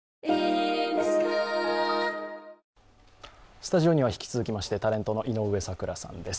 スタジオには引き続きましてタレントの井上咲楽さんです。